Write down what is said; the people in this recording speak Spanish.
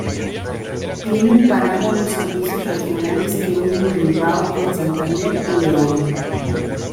Tienen parada los servicios regionales que unen Bilbao con Santander y León.